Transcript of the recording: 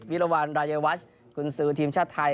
วิรวารรายวัชคุณซื้อทีมชาติไทย